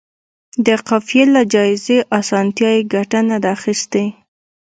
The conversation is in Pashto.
د قافیې له جائزې اسانتیا یې ګټه نه ده اخیستې.